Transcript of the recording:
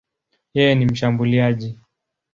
Yeye ni mshambuliaji.